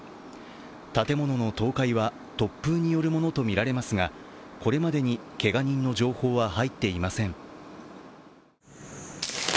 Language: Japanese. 建物の倒壊は突風によるものとみられますがこれまでにけが人の情報は入っていません。